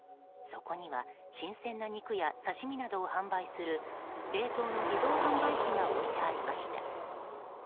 そこには新鮮な肉や刺し身などを販売する冷凍の自動販売機が置いてありました。